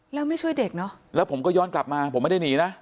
แล้วไม่ช่วยเด็กเนอะแล้วผมก็ย้อนกลับมาผมไม่ได้หนีนะ